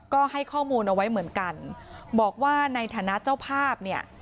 ก็ให้ข้อมูลเอาไว้เหมือนกันบอกว่าในฐานะเจ้าภาพเนี่ย